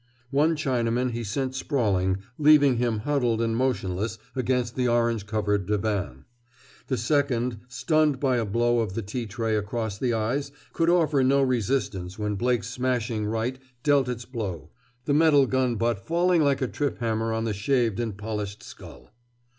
One Chinaman he sent sprawling, leaving him huddled and motionless against the orange covered divan. The second, stunned by a blow of the tea tray across the eyes, could offer no resistance when Blake's smashing right dealt its blow, the metal gun butt falling like a trip hammer on the shaved and polished skull.